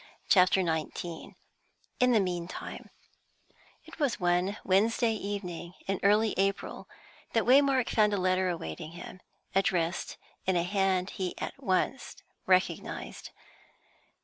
CHAPTER XIX IN THE MEANTIME It was one Wednesday evening in early April, that Waymark found a letter awaiting him, addressed in a hand he at once recognised.